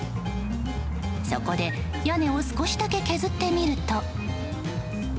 そこで、屋根を少しだけ削ってみると。